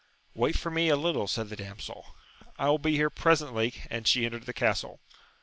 Wait for me a little, said the damsel ; I will be here presently : and she entered the castle.